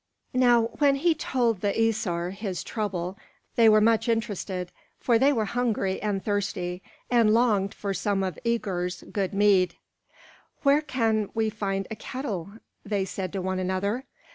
Now when he told the Æsir his trouble they were much interested, for they were hungry and thirsty, and longed for some of Œgir's good mead. "Where can we find a kettle?" they said to one another.